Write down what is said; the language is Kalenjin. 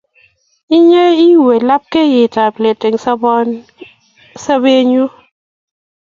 Inye ko iu lapkeet ap let eng' sobennyu.